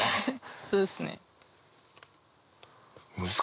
そうですね。